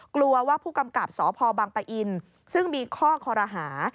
กลัวว่าผู้กำกับสพบังปะอินซึ่งมีข้อคอรหา